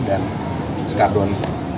dan satu lagi skadron